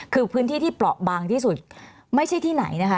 คือพื้นที่ที่เปราะบางที่สุดไม่ใช่ที่ไหนนะคะ